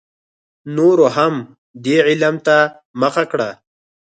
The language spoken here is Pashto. نورو هم دې علم ته مخه کړه.